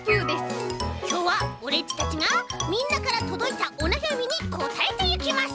きょうはオレっちたちがみんなからとどいたおなやみにこたえていきます！